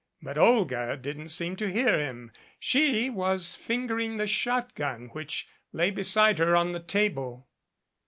But Olga didn't seem to hear him. She was fingering the shotgun which lay beside her on the table.